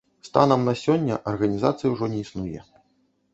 Станам на сёння арганізацыя ўжо не існуе.